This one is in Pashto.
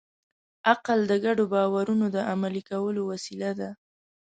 عقل د ګډو باورونو د عملي کولو وسیله ده.